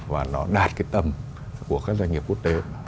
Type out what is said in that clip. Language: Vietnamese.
và nó đạt tầm của các doanh nghiệp quốc tế